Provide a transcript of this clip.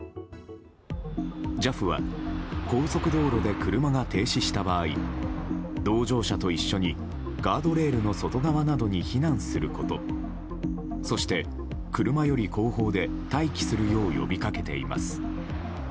ＪＡＦは高速道路で車が停止した場合同乗者と一緒にガードレールの外側などに避難することそして、車より後方で待機するよう呼び掛けています。